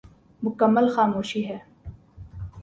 مکمل خاموشی ہے۔